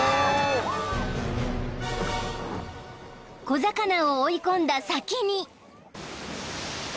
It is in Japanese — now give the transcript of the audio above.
［小魚を追い込んだ先に］